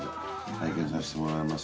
拝見させてもらいます。